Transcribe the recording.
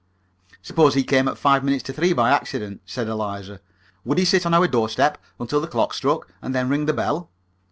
"Suppose he came at five minutes to three by accident," said Eliza. "Would he sit on our doorsteps until the clock struck, and then ring the bell?"